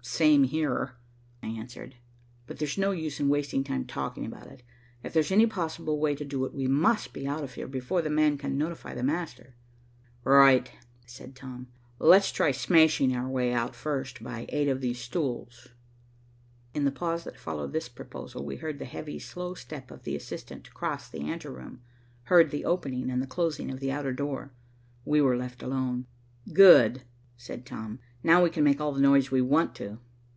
"Same here," I answered, "but there's no use in wasting time talking about it. If there's any possible way to do it, we must be out of here before the man can notify the master." "Right," said Tom. "Let's try smashing our way out, first, by aid of these stools." In the pause that followed this proposal, we heard the heavy, slow step of the assistant cross the anteroom, heard the opening and the closing of the outer door. We were left alone. "Good," said Tom, "Now we can make all the noise we want to."